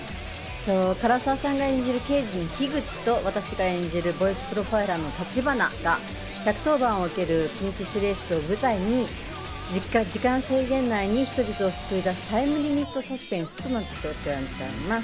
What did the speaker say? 唐沢さんが演じる刑事の樋口と、私が演じるボイスプロファイラーの橘が１１０番を受ける緊急指令室を舞台に、時間制限内に人々を救い出すタイムリミットサスペンスとなっております。